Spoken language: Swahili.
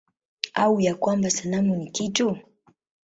Au ya kwamba sanamu ni kitu?